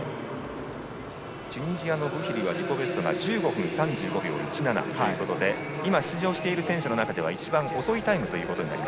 チュニジアのブヒリは１２分３５秒１７ということで今、出場している選手の中では一番遅いタイム。